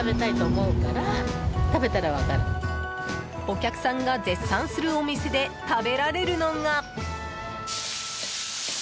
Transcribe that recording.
お客さんが絶賛するお店で食べられるのが。